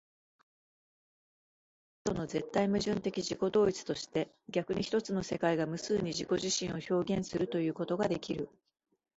かかる世界は多と一との絶対矛盾的自己同一として、逆に一つの世界が無数に自己自身を表現するということができる。